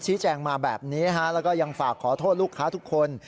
แจ้งมาแบบนี้แล้วก็ยังฝากขอโทษลูกค้าทุกคน